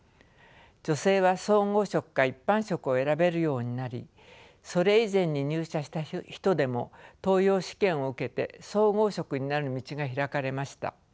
女性は総合職か一般職を選べるようになりそれ以前に入社した人でも登用試験を受けて総合職になる道が開かれました。